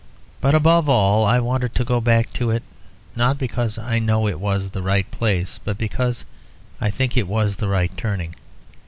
But above all I want to go back to it, not because I know it was the right place but because I think it was the right turning.